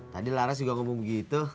tadi laras juga ngomong gitu